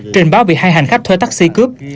trình báo bị hai hành khách thuê taxi cướp